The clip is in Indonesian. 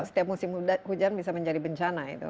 setiap musim hujan bisa menjadi bencana itu